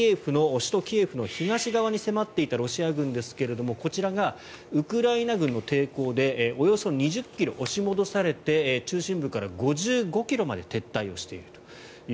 首都キエフの東側に迫っていたロシア軍ですがこちらがウクライナ軍の抵抗でおよそ２０ｋｍ押し戻されて中心部から５５ｋｍまで撤退をしていると。